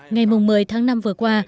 ngày một mươi tháng năm vừa qua